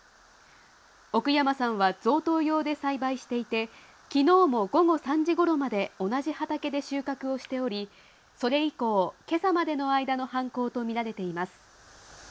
奥山さんは贈答用で栽培していて、きのうも午後３時ごろまで同じ畑で収穫をしており、それ以降、けさまでの間の犯行と見られています。